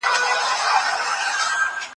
تاریخ څنګه په څېړنه کې مرسته کوي؟